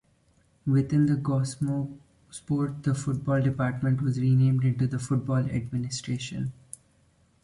Within the Goskomsport, the football department was renamed into the Football Administration.